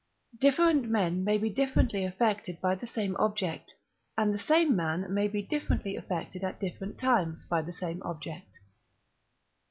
LI. Different men may be differently affected by the same object, and the same man may be differently affected at different times by the same object.